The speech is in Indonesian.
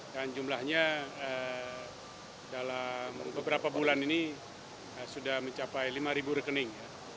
dan jumlahnya dalam beberapa bulan ini sudah mencapai lima rekening